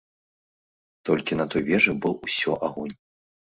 Толькі на той вежы быў усё агонь.